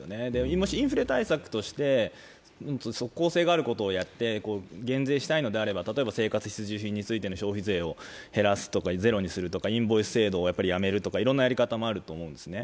もし、インフレ対策として即効性があることをやって減税したいのであれば例えば生活必需品の消費税を減らすとかゼロにするとかインボイス制度をやめるとかいろいろなやり方もあると思うんですね。